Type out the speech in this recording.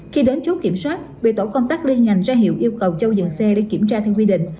khi đến chốt kiểm soát bị tổ công tác liên ngành ra hiệu yêu cầu châu dừng xe để kiểm tra theo quy định